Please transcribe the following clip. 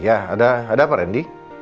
ada apa reni